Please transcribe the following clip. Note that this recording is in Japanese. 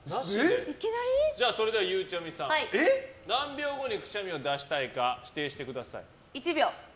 それでは、ゆうちゃみさん何秒後にくしゃみを出したいか指定してください。